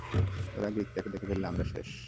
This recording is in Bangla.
ওরা গিকটাকে দেখে ফেললে আমরা শেষ।